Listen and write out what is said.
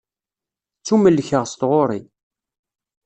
Ttumellkeɣ s tɣuri.